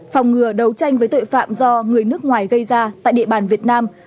phòng ngừa đấu tranh với tội phạm do người nước ngoài gây ra tại địa bàn việt nam